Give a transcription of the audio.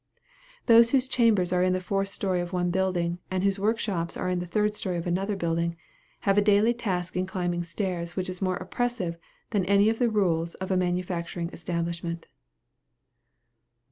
Those whose chambers are in the fourth story of one building, and whose work shops are in the third story of another building, have a daily task in climbing stairs which is more oppressive than any of the rules of a manufacturing establishment.